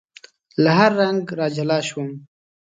له هر رنګ را جلا شوم